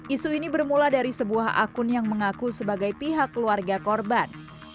isu ini bermula dari sebuah akun yang mengaku sebagai pihak keluarga korban